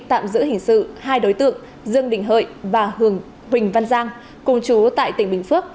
tạm giữ hình sự hai đối tượng dương đình hợi và hường huỳnh văn giang cùng chú tại tỉnh bình phước